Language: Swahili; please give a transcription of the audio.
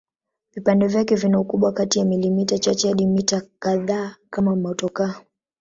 Vipande vyake vina ukubwa kati ya milimita chache hadi mita kadhaa kama motokaa.